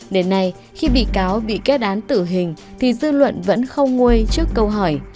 đến nay khi bị cáo bị kết án tử hình thì dư luận vẫn không nguôi trước câu hỏi